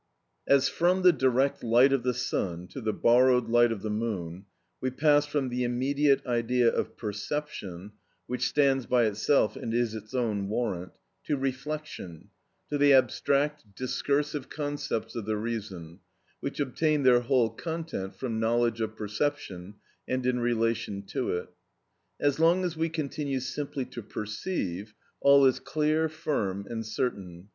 As from the direct light of the sun to the borrowed light of the moon, we pass from the immediate idea of perception, which stands by itself and is its own warrant, to reflection, to the abstract, discursive concepts of the reason, which obtain their whole content from knowledge of perception, and in relation to it. As long as we continue simply to perceive, all is clear, firm, and certain.